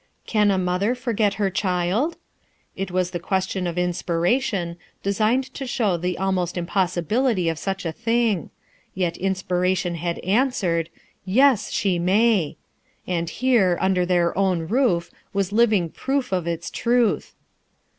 "Can a mother forget her child?" It was the question of inspiration, designed to show the almost impossibility of such a thing; yet inspiration had answered, "Yes, she may!" and here, under their own roof, was a living proof of its truth.